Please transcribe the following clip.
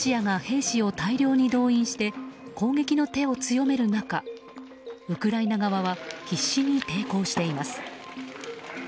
ロシアが兵士を大量に動員して攻撃の手を強める中ウクライナ側は必死に抵抗しています。